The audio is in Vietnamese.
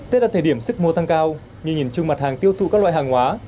tết là thời điểm sức mua tăng cao như nhìn chung mặt hàng tiêu thụ các loại hàng hóa